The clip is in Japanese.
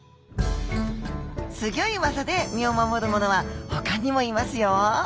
すぎょい技で身を守るものは他にもいますよ。